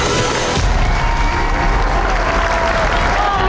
๑ล้านบาท